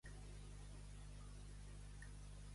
Qui té diners, en un poble, sempre fa rogle.